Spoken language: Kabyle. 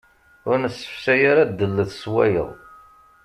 Ur nessefsay ddel s wayeḍ.